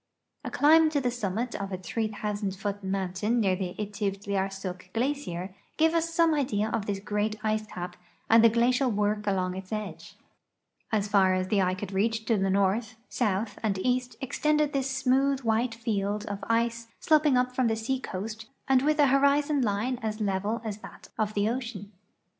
A climl) to the summit of a 3,000 foot mountain near the Itivdliarsuk glacier gave us some idea of this great ice ca[) and the glacial FACE OF ITIVDLIARSUK GLACIER work along its edge. As tar as the eye could reach to the north, south, and east extended this smooth, white field of ice sloping up from the seacoast and with an horizon line as level as that of the ocean.